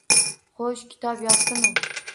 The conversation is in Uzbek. “Xo‘sh, kitob yoqdimi”